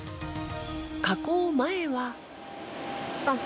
加工前は。